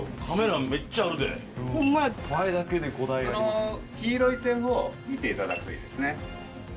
その黄色い点を見ていただくといいですね。